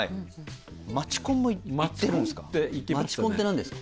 街コンも行ってるんですか？